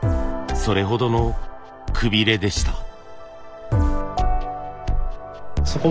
それほどのくびれでした。